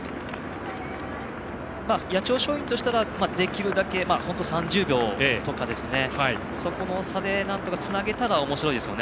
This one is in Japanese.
八千代松陰としてはできるだけ、３０秒辺りのそこの差でなんとかつなげたらおもしろいですよね。